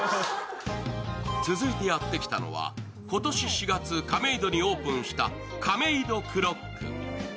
続いてやってきたのは今年４月、亀戸にオープンしたカメイドクロック。